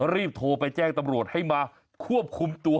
รีบโทรไปแจ้งตำรวจให้มาควบคุมตัว